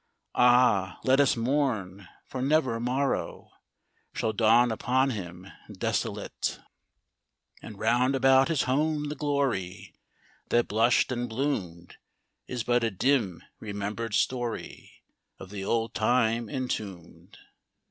(Ah, let us mourn! for never morrow Shall dawn upon him desolate !) And round about his home the glory That blushed and bloomed, Is but a dim remembered story Of the old time entombed.